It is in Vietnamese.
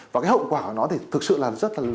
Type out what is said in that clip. và cái hậu quả của nó thì thực sự là rất là lớn